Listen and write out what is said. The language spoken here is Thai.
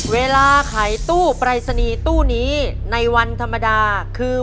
เวลาขายตู้ปรายศนีย์ตู้นี้ในวันธรรมดาคือ